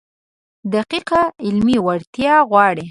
دقیقه علمي وړتیا غواړي.